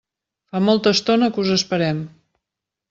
Fa molta estona que us esperem.